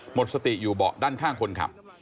หมดสติอยู่เบาะด้านข้างคนขับ